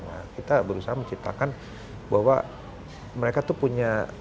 nah kita berusaha menciptakan bahwa mereka tuh punya